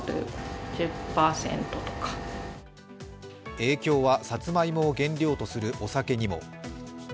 影響はサツマイモを原料とするお酒にも。